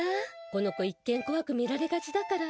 この子、一見怖く見られがちだから。